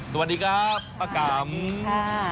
สวัสดีครับป้ากัมสวัสดีค่ะ